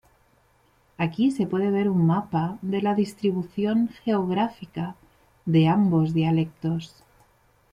Aquí se puede ver un mapa de la distribución geográfica de ambos dialectos.